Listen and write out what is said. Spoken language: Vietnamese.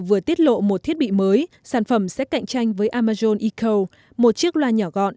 vừa tiết lộ một thiết bị mới sản phẩm sẽ cạnh tranh với amazon ecu một chiếc loa nhỏ gọn